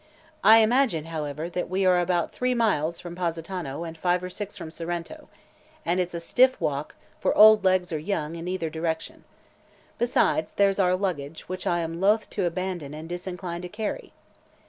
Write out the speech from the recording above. "I imagine, however, that we are about three miles from Positano and five or six from Sorrento, and it's a stiff walk, for old legs or young, in either direction. Besides, there's our luggage, which I am loth to abandon and disinclined to carry."